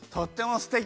すてき！